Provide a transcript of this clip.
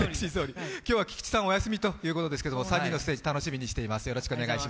今日は菊池さんお休みということですけれども３人のステージを楽しみにしています。